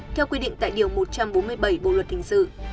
theo quy định tại điều một trăm bốn mươi bảy bộ luật hình sự